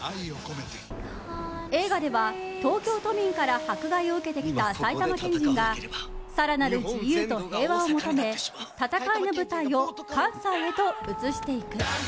映画では東京都民から迫害を受けてきた埼玉県人が更なる自由と平和を求め戦いの舞台を関西へと移していく。